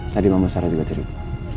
tadi mama sarah juga cerita